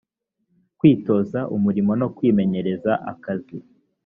kwitoza umurimo no kwimenyereza akazi